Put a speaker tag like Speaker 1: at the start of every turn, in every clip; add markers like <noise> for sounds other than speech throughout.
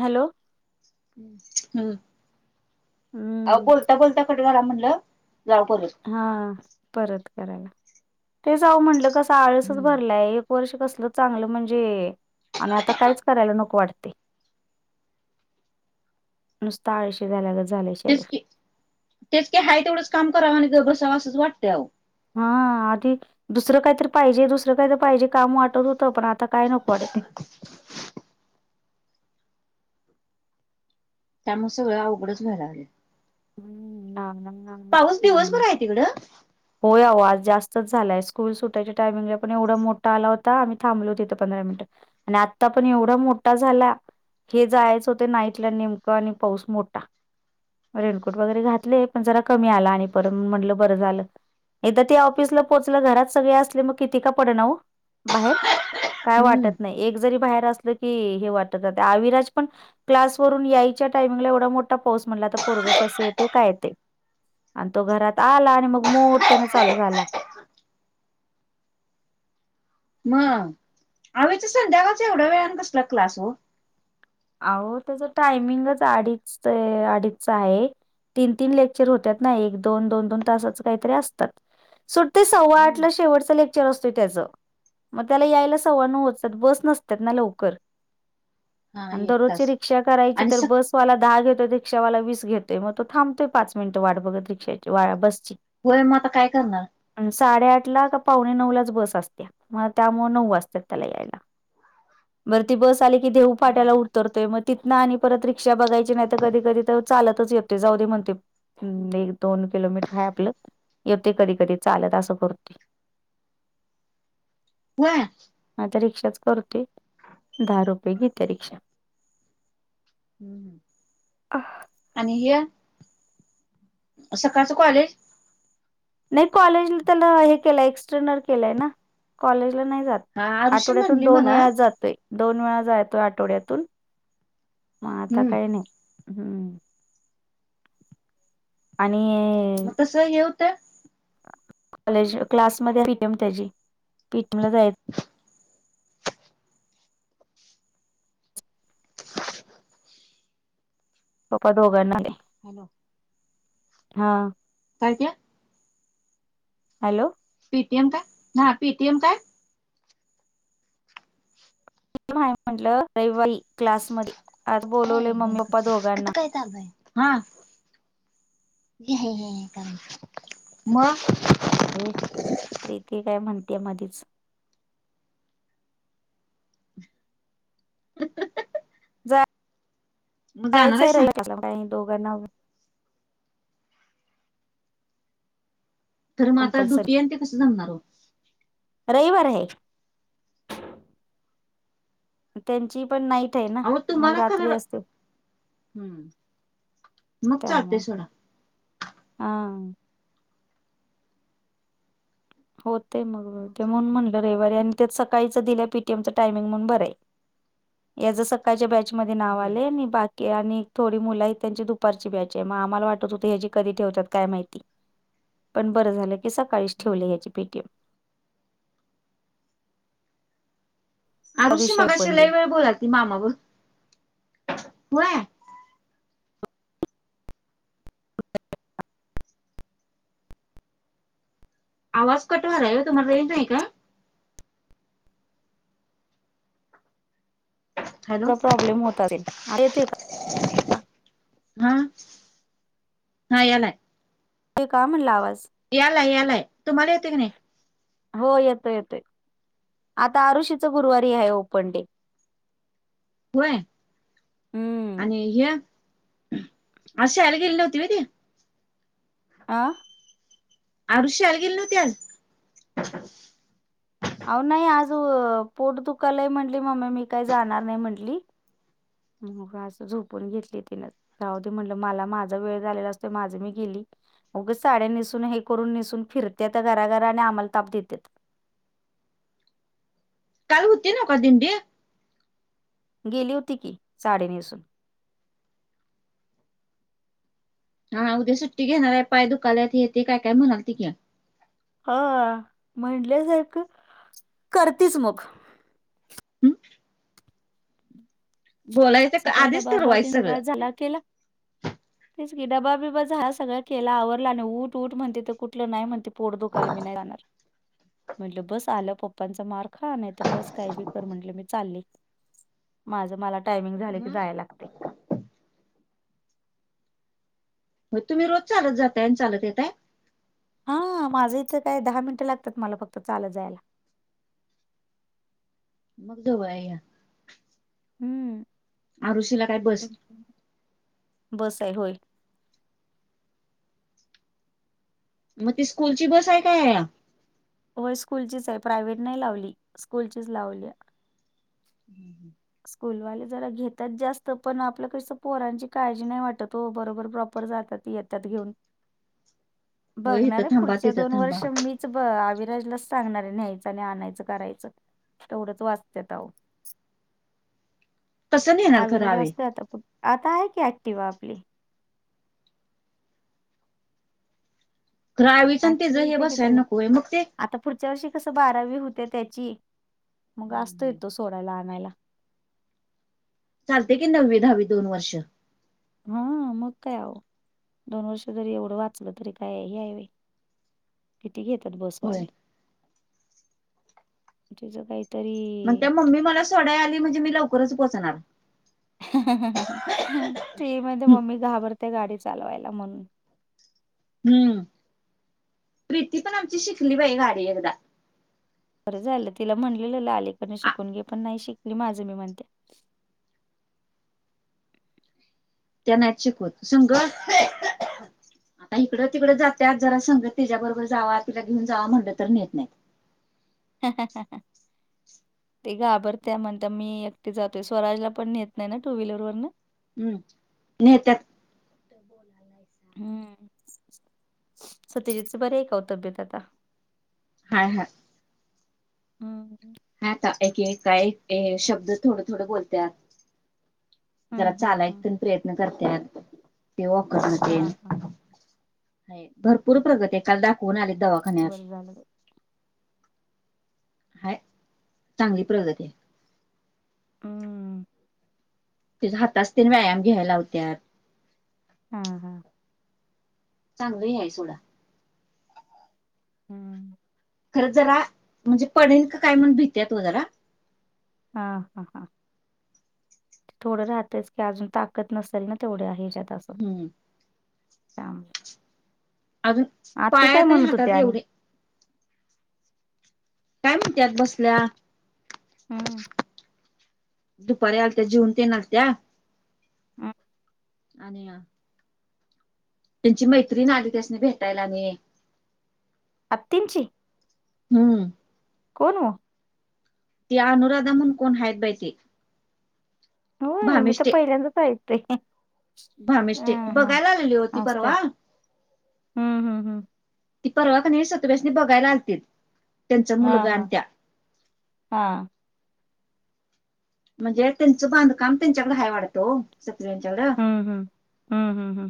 Speaker 1: Hello
Speaker 2: हम्म अहो
Speaker 1: हम्म
Speaker 2: बोलता बोलता कट झाला म्हणल. जाऊ पोलिस
Speaker 1: हा परत करायला. तेच आऊ म्हंटल कस आळसच
Speaker 2: हम्म.
Speaker 1: भरलाय एक वर्ष कसलं चांगलं म्हणजे, आणि आता कायच करायला नको वाटते. नुसता आळशी झाल्यागत झाले.
Speaker 2: तेच की, तेच की हा तेवढंच काम करावं आणि गप बसावां असंच वाटते अहो.
Speaker 1: हा आधी दुसरं काहीतरी पाहिजे, दुसरं काही पाहिजे काम वाटत होत पण आता काय नको वाटते.
Speaker 2: <inaudible> त्यामुळे सगळं अवघडच व्हायला लागलं.
Speaker 1: हम्म नानांग नांग.
Speaker 2: पाऊस दिवसभर आहे तिकडं?
Speaker 1: हो याओ आज जास्तच झालाय स्कूल सुटायच्या टामिंगला पण एवढा मोठा आला होता. आम्ही थांबलो तिथं पंधरा मिनटं. आणि आता पण एवढा मोठा झाला हे जायचं होते नाईटला नेमकं आणि पाऊस मोठा. रेनकोट वगैरे घातले पण जरा कमी आला आणि पर म्हटलं बरं झालं एकदा ते ऑफिसला पोचलं, घरात सगळे असले मग किती का पडनाव बाहेर. काय
Speaker 2: हम्म.
Speaker 1: वाटत नाही. एक जरी बाहेर असलं की हे वाटत जातंय. अविराज पण क्लासवरून यायच्या टायमिंग ला एवढा मोठा पाऊस म्हणला आता पोरग कसे येते काय ते आणि तो घरात आला आणि मग मोठ्याने चालू झाला.
Speaker 2: मग, आवच संध्याकाळच एवढ्या वेळ आणि कसला क्लास हो.
Speaker 1: अहो, त्याच टायमिंगच अडीच-अडीचच आहे. तीन-तीन लेक्चर होत्यात ना एक-दोन-दोन-दोन तासच काहीतरी असतात. सुट ते सव्वा आठ
Speaker 2: हम्म.
Speaker 1: ला शेवटचा ले खेळ असतो त्याच, मग त्याला यायला सव्वानव वाजत्यात बस नसत्यात लवकर.
Speaker 2: हा
Speaker 1: आणि
Speaker 2: एक
Speaker 1: दररोजची
Speaker 2: तास
Speaker 1: रिक्षा करायची
Speaker 2: आणि
Speaker 1: तर
Speaker 2: स
Speaker 1: बस वाला दहा घेतोय, रिक्षावाला वीस घेतोय, मग तो थांबतोय पाच मिनिट वाट बघत रिक्षाची बसची.
Speaker 2: होय मग आता काय करणार.
Speaker 1: साडेआठ ला का पावणे नऊ लाच बस असते, मग त्यामूळ नऊ वाजतात त्याला यायला. बर ती बस आली कि देऊ. पाट्याला
Speaker 2: हम्म.
Speaker 1: उतरतोय मग तिथं आणि परत रिक्षा बघायची नाही तर कधी-कधी तर चालतच येते जाऊ दे म्हणते. हम्म, एक-दोन किलोमीटर आहे आपलं, येतो कधी-कधी चालत असं करते.
Speaker 2: होय.
Speaker 1: आता रिक्षाच करतोय, दहा रुपये घेते रिक्षा.
Speaker 2: हम्, आणि हे सकाळचं कॉलेज.
Speaker 1: नाही कॉलेज त्याला हे केलंय, एक्स्टर्नल केलाय ना, कॉलेजला नाही जात.
Speaker 2: हा आरुषी
Speaker 1: आठवड्यातून
Speaker 2: म्हणली
Speaker 1: दोन
Speaker 2: मला
Speaker 1: वेळाच जातोय. दोन वेळा जायेतोय आठवड्यातून, मग आता
Speaker 2: हम्म
Speaker 1: काही नाही. हम्म. आणि
Speaker 2: मग तसं हे होतं.
Speaker 1: कॉलेज क्लासमध्ये पी-टी-एम त्याची पी-टी-एम ला जाय पप्पा दोघनाने.
Speaker 2: हॅलो.
Speaker 1: हा.
Speaker 2: काय ते.
Speaker 1: हॅलो.
Speaker 2: पी-टी-एम काय हा पी-टी-एम काय?
Speaker 1: म्हटलं, रविवारी क्लास मध्ये आज बोलवले मम्मी-पप्पा दोघांना.
Speaker 2: हा. मग?
Speaker 1: ये प्रीती काय म्हणतेय मधीच.
Speaker 2: <unintelligible> मग जाणार
Speaker 1: कायच आहे
Speaker 2: आहेस ना
Speaker 1: रायला दोघांनाव.
Speaker 2: तर मग आता
Speaker 1: कंपल्सरी
Speaker 2: ड्युटीयेन ते कसं जमणार हो?
Speaker 1: रविवार हाये. त्यांची पण नाईट आहे ना
Speaker 2: आव
Speaker 1: मग
Speaker 2: तुम्हाला
Speaker 1: रात्री
Speaker 2: करर.
Speaker 1: असते
Speaker 2: हम्म. मग
Speaker 1: त्यामुळे
Speaker 2: चालते सोडा.
Speaker 1: हा. होतेय मग. ते म्हणून म्हणलं रविवारी. आणि त्यात सकाळीच दिल्या पी टी एम चं टायमिंग म्हणून बरंय. याचं सकाळच्या बॅचमध्ये नाव
Speaker 2: होय
Speaker 1: आलंय आणि बाकी की आणि थोडी मुलय. त्यांची दुपारची बॅचे. मग आम्हाला वाटत होते ह्याची कधी ठेवतात काय माहिती. पण बरं झालं की सकाळीच
Speaker 2: हम्म.
Speaker 1: ठेवलं याची पी टी एम. त्या
Speaker 2: आऋषी
Speaker 1: दिवशी
Speaker 2: मगाशी
Speaker 1: ओपन डे
Speaker 2: लई वेळ बोलालती मामा बर.
Speaker 1: या <unintelligible>
Speaker 2: आवाज कट व्हायला. तुम्हाला रेंज नाही का? हॅलो
Speaker 1: थोडा प्रॉब्लेम होता रे आता येतोय का?
Speaker 2: हा हा यालाय.
Speaker 1: ते कामन लावायच?
Speaker 2: यालाय यालाय. तुम्हाला येते की नाही?
Speaker 1: हो येतोय येतोय आता आरुशीच गुरुवारीय ओपन डे.
Speaker 2: होय,
Speaker 1: हम्म
Speaker 2: आणि हे. आज शाळेला गेली नव्हती व्हय ती?
Speaker 1: आं.
Speaker 2: आरु शाळेला गेले नव्हती आज?
Speaker 1: अ नाही आज पोट दुखालय म्हणली मम्मी. मी काही जाणार नाही म्हंणली. म आता झोपून घेते की काय? जाऊदे म्हणलं मला माझा वेळ झालेला असतो. माझी मी गेली. उगं साड्या नेसून हे करून निेसून फिरत्यात गरागरा आणि आम्हाला ताप देतेत.
Speaker 2: काल होती नव का दिंडी?
Speaker 1: गेली होती की साडी नेसून.
Speaker 2: हा उद्या सुट्टी घेणारे. पाय दुखालाते काय काय म्हणाली ती की.
Speaker 1: हा म्हणटले सारख करतीच मग.
Speaker 2: हं? बोलायचं आधीच ठरवायच सगळं.
Speaker 1: फराल केल?
Speaker 2: ह <unintelligible>
Speaker 1: तेच की डबा बिबा झाला सगळा केल. आवरला आणि उट उठ म्हणते त कुठलं नाही म्हणते पोट दुखाली मी नाही जाणार.
Speaker 2: अ <unintelligible>
Speaker 1: म्हणलं बस आलेव पप्पांचा मार खा, नाही तर बस काही बी कर म्हणलं, मी चालली, माझं मला टायमिंग झाले की
Speaker 2: मग
Speaker 1: जाय लागते.
Speaker 2: हो, तुम्ही रोज चालत जाताय आणि चालत येताय?
Speaker 1: हा, माझं इथं काय दहा मिनिटं लागतात मला फक्त चालत जायला.
Speaker 2: मग जवळया.
Speaker 1: हम्म,
Speaker 2: आरुषीला काय बस
Speaker 1: <inaudible> बस हाय होय.
Speaker 2: मग ती स्कूलची बस आहे काय?
Speaker 1: होय, स्कूलचीच आहे, प्रायव्हेट नाही लावली, स्कूलचीच लावली.
Speaker 2: <inaudible>
Speaker 1: स्कूलवाले जरा घेतात जास्त, पण आपलं कसं पोरांची काळजी नाही वाटत ओ बरोबर प्रॉपर जातात. येतात घेऊन,
Speaker 2: होय इथं
Speaker 1: बघणारे
Speaker 2: थांबा
Speaker 1: पुढच्या
Speaker 2: तिथं
Speaker 1: दोन
Speaker 2: थांबा
Speaker 1: वर्ष मी- च बघ, आविराजलाच सांगणार आहे न्यायचं आणि आणायचं, करायचं, तेवढंच वाचत्यात आवो.
Speaker 2: कसं नेणार खरं
Speaker 1: अविराज
Speaker 2: आवे
Speaker 1: असते आता, पण आता आहे की ऍक्टिवा आपली.
Speaker 2: खरं आवीचं आणि तेच
Speaker 1: ऍक्टिवा
Speaker 2: हे
Speaker 1: येते की त्याला.
Speaker 2: बसायला नकोय मग ते-
Speaker 1: आता पुढच्या वर्षी कसं बारावी होत्या त्याची, मग असतोय तो सोडायला, आणायला.
Speaker 2: चालतय की नववी, दहावी दोन वर्ष.
Speaker 1: हा, मग काय आवो. दोन वर्ष जरी एवढं वाचलं तरी, काय हे आहे व्हय. किती घेतात
Speaker 2: होय
Speaker 1: बसवाले? <inaudible> तेच काही-
Speaker 2: म्हणत्या मम्मी मला सोडाय आली, म्हणजे मी लवकरच पोहचणार.
Speaker 1: ते माहित आहे,
Speaker 2: हं,
Speaker 1: मम्मी घाबरते गाडी चालवायला म्हणून.
Speaker 2: हम्म, प्रीती पण आमची शिकली बाई गाडी एकदा.
Speaker 1: बरं झालं, तिला म्हणलेलं लालीकडून
Speaker 2: आ,
Speaker 1: शिकून घे, पण नाही शिकली, माझं मी म्हणते-
Speaker 2: त्या नाही शिकवत, संग- आता इकडं- तिकडं जात्या,, जरा संग तिच्या बरोबर जावा, तिला घेऊन जावा म्हटलं तर नेत नाही.
Speaker 1: हाहाहाहा. <unintelligible> ते घाबरत्या म्हणतात, मी एकटी जातोय, स्वराजला पण नेत नाही ना टू व्हीलरवरन.
Speaker 2: हम्म, नेेत्यात. <inaudible>
Speaker 1: हम्म, सत्तेजीच बरे आहे का तब्येत आता?
Speaker 2: हाय हा.
Speaker 1: हं.
Speaker 2: हाय, आता एक- एक काय शब्द थोडं- थोडं बोलत्यात. जरा
Speaker 1: हम्म हम्म
Speaker 2: चालायचा
Speaker 1: हम्म
Speaker 2: पण प्रयत्न करत्यात, ते वॉकरन
Speaker 1: हा
Speaker 2: तेन.
Speaker 1: हा
Speaker 2: होय, भरपूर प्रगती आहे, काल दाखवून आले दवाखान्यात.
Speaker 1: बरं झालं बाई.
Speaker 2: हाय, चांगली प्रगती हाय.
Speaker 1: हम्म.
Speaker 2: त्येच हाताच तेन व्यायाम घ्याय लावत्यात.
Speaker 1: हं, हं.
Speaker 2: चांगलं हे हाय सोडा.
Speaker 1: हम्म.
Speaker 2: खरं जरा, म्हणजे पडेल का काय म्हणून भीतेत ओ जरा.
Speaker 1: हा, हा, हां. थोडं राहतच की अजून, ताकद नसेल ना तेवढ्या ह्याच्यात असं.
Speaker 2: हम्म
Speaker 1: <inaudible>
Speaker 2: अजून
Speaker 1: आती काय
Speaker 2: पायात
Speaker 1: म्हणत होती
Speaker 2: हातात
Speaker 1: आणि?
Speaker 2: एवढे काय म्हणत्यात, बसल्या.
Speaker 1: हं.
Speaker 2: दुपारी आलत्या, जेवून तेन आलत्या.
Speaker 1: <unintelligible>
Speaker 2: आणि- त्यांची मैत्रीण आली त्यासनी भेटायला आणि
Speaker 1: आत्तींची
Speaker 2: हम्म
Speaker 1: कोण ओ?
Speaker 2: ती अनुराधा म्हणून कोण हायेत बाई ते
Speaker 1: होय मी त पहिल्यांदाच ऐकते. हा
Speaker 2: भामिष्टे
Speaker 1: हा
Speaker 2: बघायला आलेली ओ ती
Speaker 1: असतय
Speaker 2: परवा
Speaker 1: हम्म हम्म हम्म
Speaker 2: ती परवा कनाय सतव्यासनी बघायला आलतीत. त्यांचा
Speaker 1: हां
Speaker 2: मुलगा
Speaker 1: हां
Speaker 2: आणि त्या
Speaker 1: हां.
Speaker 2: म्हणजे त्यांचं बांधकाम त्यांच्याकडं हाय वाढतो ओ सतव्याच्याकडं
Speaker 1: हूं हूं हूं हूं हूं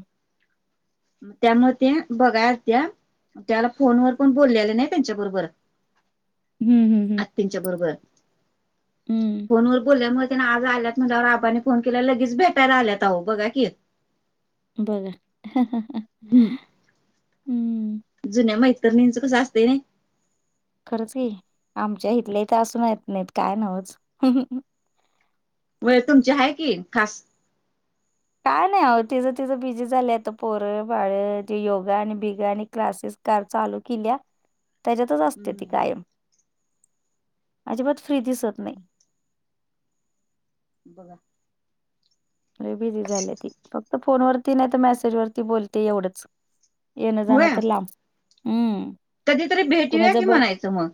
Speaker 2: मं त्यामुळ ते बघाय आलत्या त्या आता फोनवर पण बोललेल्या नाय त्यांच्याबरोबर
Speaker 1: हम्म हम्म हम्म
Speaker 2: आत्तीच्या बरोबर
Speaker 1: हम्म
Speaker 2: फोन वर बोल बोलल्यामुळ त्यानं आज आल्यात म्हणल्यावर आज आबांनी फोन केला लगेच भेटाय आल्यात आहो बघा की
Speaker 1: बघा
Speaker 2: <unintelligible>
Speaker 1: अम्म
Speaker 2: जुन्या मैत्ररणीचं कसं असतय नय
Speaker 1: खरच की आमच्या इथले त असून यत नाहीत काय नव्हच
Speaker 2: व्हय तुमची हाय की खास
Speaker 1: काय नाय आहो तिज तिज बिझी झालंय आता पोरं बाळ ते योगा आणि बिगा आणि क्लासेस कार चालू केलीया
Speaker 2: <inaudible>
Speaker 1: त्याज्यातच असते ती
Speaker 2: हम्म
Speaker 1: कायम अजिबात फ्री दिसत नाही.
Speaker 2: बघा
Speaker 1: लय बिझी झाले ती फक्त फोनवरती नायत मेसेज वरती बोलते एवढंच येणं जाणं
Speaker 2: होय
Speaker 1: तर लांब अम्म
Speaker 2: कधीतरी भेटूया की म्हणायचं म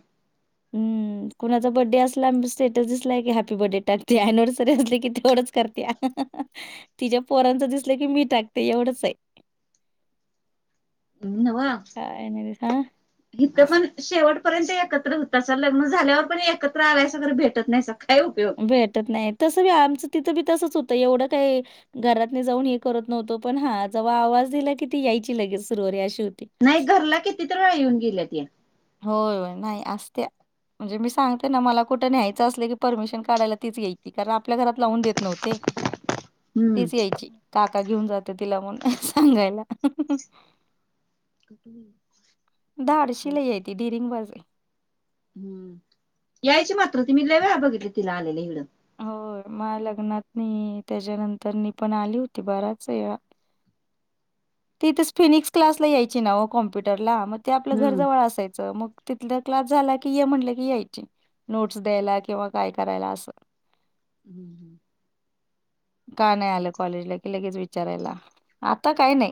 Speaker 1: हम्म कुणाचा बड्डे असला स्टेटस दिसलाय की हॅपी बर्थडे टाकते एनिवर्सरी असली की तेवढच करत्या तिज्या पोरांच दिसलं की मी टाकते एवढंचय
Speaker 2: हं न्हवं
Speaker 1: काय नाय बय का
Speaker 2: इथं पण शेवटपर्यंत एकत्र होतासा लग्न झाल्यावर पण एकत्र आल्यासां तर भेटत नायसा काय उपयोग
Speaker 1: भेटत नाय तसं बी आमचं तिथं बी तसंच होतं एवढं काय घरातनं जाऊन हे करत नव्हतो पण हा जवा आवाज दिला की ती यायची लगेच सुरुवरी अशी होती.
Speaker 2: नाय घरला कि कितीतरा वेळा येऊन गेल्या त्या
Speaker 1: होय होय नाही असत्या म्हणजे मी सांगते ना मला कुठं न्यायचं अस की परमिशन काढायला तीच यायची कारण आपल्या घरात लावून देत नव्हं ते
Speaker 2: हम्म
Speaker 1: तीच यायची काका घेऊन जाते तिला म्हणून सांगायला.
Speaker 2: <unintelligible>
Speaker 1: धाडसी लय हाय ती डेरिंगबाज ये
Speaker 2: हम्म यायची मात्र ती मी लय वेळा बघितले तिला आलेल ईकड
Speaker 1: होय मया लग्नात नाही त्याच्यानंतर मी पण आली होती बराच वेळा. तिथंच फिनिक्स क्लासला यायची ना हो कॉम्प्युटरला मग ते आपलं
Speaker 2: हम्म
Speaker 1: घरजवळ असायचं मग. तिथला क्लास झाला की ये म्हटलं की यायची. नोट्स द्यायला किंवा काय करायला असं.
Speaker 2: हम् ह <unintelligible>
Speaker 1: का नाही आलं कॉलेजला कि लगेच विचारायला आता काय नाही.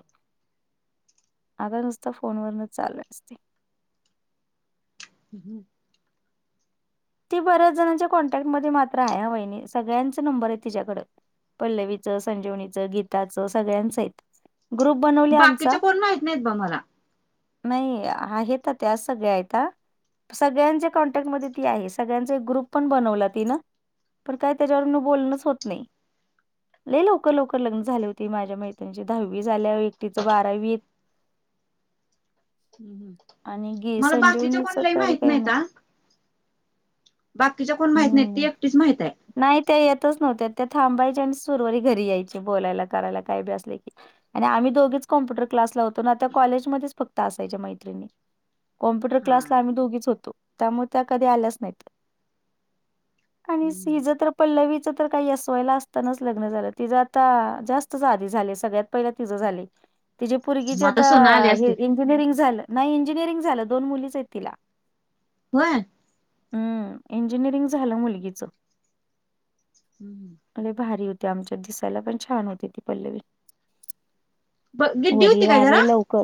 Speaker 1: आता नुसत फोन वरनच चालू असते.
Speaker 2: ह हम. <unintelligible>
Speaker 1: ती बऱ्याच जणांच्या कॉन्टॅक्ट मध्ये मात्र आहे ह वहिणी सगळ्यांचा नंबर आहे तिच्याकडं. पल्लवीच, संजीवनीच, गीताच सगळ्यांच आहेत. ग्रुप बनवले आमचा?
Speaker 2: बाकीच्या कोण माहित नाहीत बा मला
Speaker 1: नाही आहेत त्या सगळ्या आता सगळ्यांच्या कॉन्टॅक्टमध्ये ती आहेस. सगळ्यांचा एक ग्रुप पण बनवला तिन पण काय त्याच्यावर न बोलणंच होत नाही. लय लवकर, लवकर लग्न झाले होती माझ्या मैत्रीणी चे दहावी झाल्यावर एकटीच बारावीत आणि गी
Speaker 2: मला बाकीच्या
Speaker 1: संजीवनीच
Speaker 2: कोणालाही
Speaker 1: तरी
Speaker 2: माहित
Speaker 1: काही नाही
Speaker 2: नाहीता. बाकीच्या कोण माहित नाहीत ते
Speaker 1: हम्म.
Speaker 2: एकटीच माहित आहे.
Speaker 1: नाही ते येतच नव्हत्या त्या थांबायचे आणि सुरवरी घरी यायचे बोलायला, करायला काय बी असले की. आणि आम्ही दोघीच कॉम्प्युटर क्लास लावतो ना त्या कॉलेजमध्येच फक्त असायच्या मैत्रिणी. कॉम्प्युटर
Speaker 2: हा
Speaker 1: क्लासला आम्ही दोघीच होतो त्यामुळे त्या कधी आल्याच नाही. आणि हिचं
Speaker 2: मग
Speaker 1: तर पल्लवीच तर काही यस, वाय, ला असतानाच लग्न झालं तिचं आता जास्त झाले, झाले सगळ्यात पहिलं तिझं झाले. तिचे परगीची आता
Speaker 2: सोनं आले असते
Speaker 1: इंजिनिअरिंग झालं नाही इंजिनिअरिंग झालं दोन मुलीच आहेत तिला.
Speaker 2: होय.
Speaker 1: हम्म, इंजिनिअरिंग झालं मुलगीच.
Speaker 2: हम्म. <unintelligible>
Speaker 1: लय भारी होती आमच्यात दिसायला पण छान होती ती पल्लवी.
Speaker 2: ब गिड्डी
Speaker 1: वडील
Speaker 2: होती काय जरा
Speaker 1: वारले लवकर.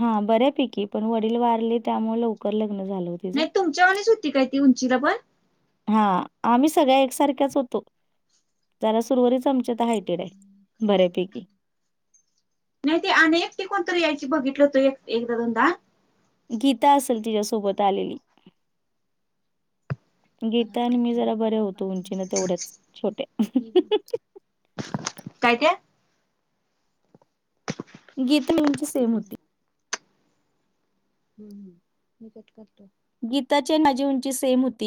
Speaker 1: हा बऱ्यापैकी पण वडील वारले त्यामुळे लवकर लग्न झालं हो तिचं.
Speaker 2: नाही तुमच्या वानिच होती काय ती उंचीला पण?
Speaker 1: हा आम्ही सगळ्या एकसारख्याच होतो जला सुरवरीच तुमच्यात हायटेड आहे बऱ्यापैकी.
Speaker 2: नाही ते अन एक ती कोणतरी यायची बघितलं होतो एक एकदा, दोनदा?
Speaker 1: गीता असेल तिच्यासोबत आलेली. गीता आणि मी जरा बरे होतो उंचीने तेवढ्याच छोट्या
Speaker 2: काय ते?
Speaker 1: गीता आणि आमची सेम होती.
Speaker 2: हम्म, मी कट करतो.
Speaker 1: गीताची माझी उंची सेम होती.